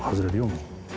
もう。